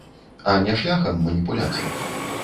А не шляхам маніпуляцый.